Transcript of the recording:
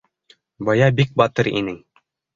Бая бик батыр инең.